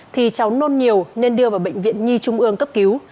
thì cháu nôn nhiều nên đưa vào bệnh viện nhi trung ương cấp cứu